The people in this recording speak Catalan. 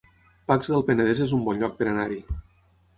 Pacs del Penedès es un bon lloc per anar-hi